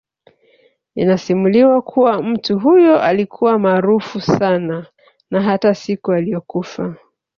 Inasimuliwa kuwa mtu huyo alikuwa maaraufu sana na hata siku ailiyokufa